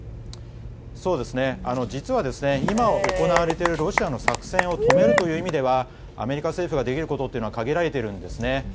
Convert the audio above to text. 実は、今行われているロシアの作戦を止めるという意味ではアメリカ政府ができることは限られているんです。